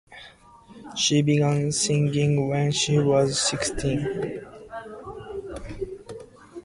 She began singing when she was sixteen.